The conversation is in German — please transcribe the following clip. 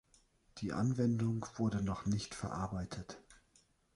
Die Anwendung wurde noch nicht verarbeitet.